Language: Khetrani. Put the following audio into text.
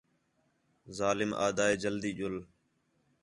ظالم آہدا ہِے جلدی ڄُل